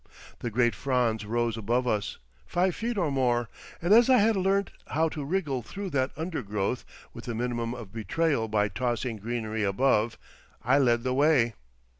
The great fronds rose above us, five feet or more, and as I had learnt how to wriggle through that undergrowth with the minimum of betrayal by tossing greenery above, I led the way.